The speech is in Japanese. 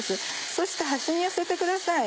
そして端に寄せてください。